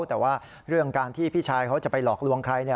แต่ว่าเรื่องการที่พี่ชายเขาจะไปหลอกลวงใคร